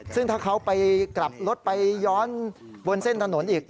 ซึ่งถ้าเขาไปกลับรถไปย้อนบนเส้นถนนอีก